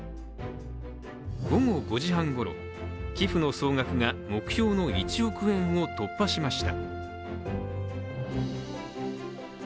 午後５時半ごろ寄付の総額が目標の１億円を突破しました。